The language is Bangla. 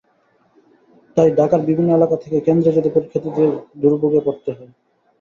তাই ঢাকার বিভিন্ন এলাকা থেকে কেন্দ্রে যেতে পরীক্ষার্থীদের দুর্ভোগে পড়তে হয়।